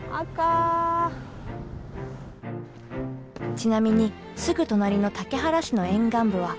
ちなみにすぐ隣の竹原市の沿岸部は。